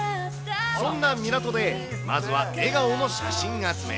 そんな港で、まずは笑顔の写真集め。